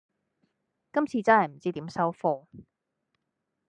今次真係唔知點收科